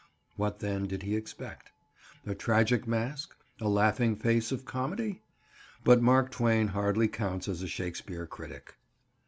What, then, did he expect? A tragic mask, a laughing face of comedy? But Mark Twain hardly counts as a Shakespeare critic.